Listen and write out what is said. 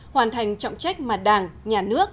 hoàn thành trọng trách mà đảng nhà nước